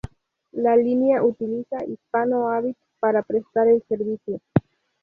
La línea utiliza Hispano Habit para prestar el servicio.